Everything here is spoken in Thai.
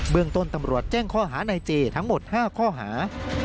เมืองต้นตำรวจแจ้งข้อหานายเจทั้งหมด๕ข้อหา